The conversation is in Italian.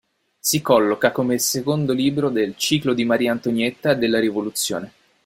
Si colloca come secondo libro del "Ciclo di Maria Antonietta e della Rivoluzione".